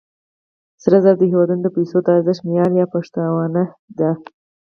سره زر د هېوادونو د پیسو د ارزښت معیار یا پشتوانه ده.